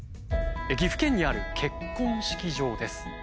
岐阜県にある結婚式場です。